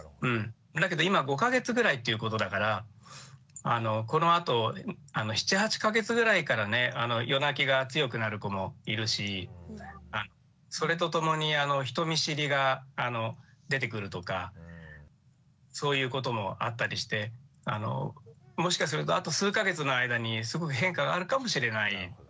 だけど今５か月ぐらいということだからこのあと７８か月ぐらいからね夜泣きが強くなる子もいるしそれとともに人見知りが出てくるとかそういうこともあったりしてもしかするとあと数か月の間にすごく変化があるかもしれないですよね。